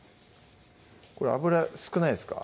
これ油少ないですか？